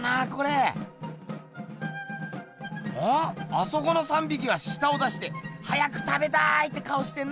あそこの３びきはしたを出して「早く食べたい」って顔してんな。